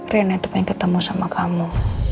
rian itu pengen ketemu sama kamu